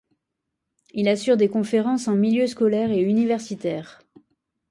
Il assure des conférences en milieux scolaires et universitaires.